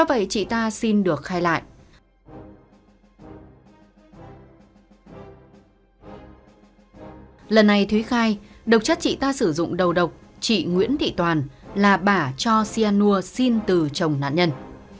lần này thúy khai độc chất chị ta sử dụng đầu độc chị nguyễn thị toàn là bà cho cyanur xin từ chồng nạn nhân